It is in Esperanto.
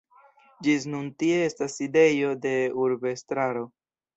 Ĝis nun tie estas sidejo de urbestraro.